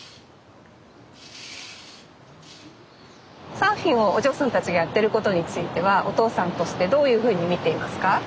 サーフィンをお嬢さんたちがやってることについてはお父さんとしてどういうふうに見ていますか？